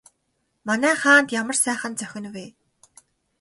Манай хаанд ямар сайхан зохино вэ?